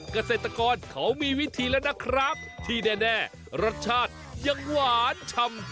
เกษตรกรเขามีวิธีแล้วนะครับที่แน่รสชาติยังหวานชำ